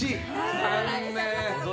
残念。